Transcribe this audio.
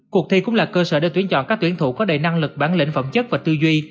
cuộc thi cũng là cơ sở để tuyển chọn các tuyển thủ có đầy năng lực bản lĩnh phẩm chất và tư duy